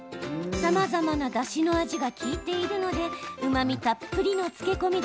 さまざまなだしの味が利いているのでうまみたっぷりの漬け込み